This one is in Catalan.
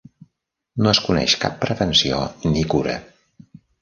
No es coneix cap prevenció ni cura.